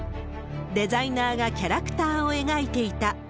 デザイナーがキャラクターを描いていた。